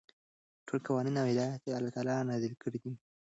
ټول قوانين او هدايات يي الله تعالى نازل كړي دي ،